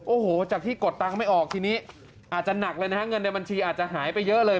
โอ้โหจากที่กดตังค์ไม่ออกทีนี้อาจจะหนักเลยนะฮะเงินในบัญชีอาจจะหายไปเยอะเลย